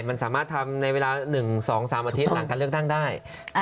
มันสามารถทำในเวลา๑๒๓อาทิตย์หลังการเลือกตั้งได้